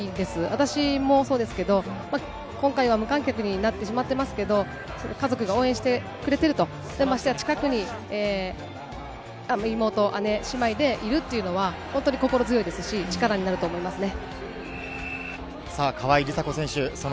私もそうですけど、今回は無観客になってしまってますけど、家族が応援してくれてると、ましてや近くに妹、姉、姉妹でいるというのは、本当に心強いですし、力になると思いますね。